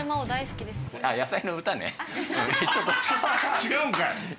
違うんかい！